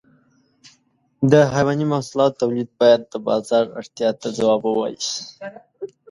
د حيواني محصولاتو تولید باید د بازار اړتیاو ته ځواب ووایي.